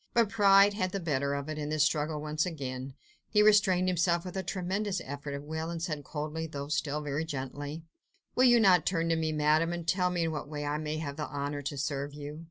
... But pride had the better of it in this struggle once again; he restrained himself with a tremendous effort of will, and said coldly, though still very gently,— "Will you not turn to me, Madame, and tell me in what way I may have the honour to serve you?"